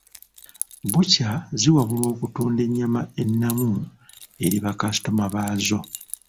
Bbukya ziwabulwa okutunda ennyama ennamu eri ba kaasitoma baazo.